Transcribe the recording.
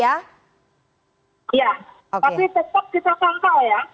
ya tapi tetap kita pantau ya